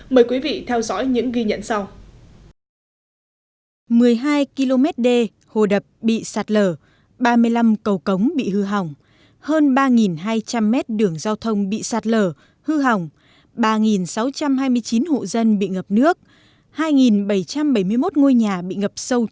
mời quý vị theo dõi những ghi nhận sau